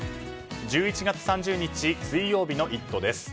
１１月３０日、水曜日の「イット！」です。